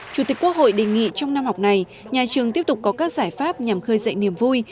chủ tịch quốc hội đề nghị trong năm học này nhà trường tiếp tục có các giải pháp nhằm khơi dậy niềm vui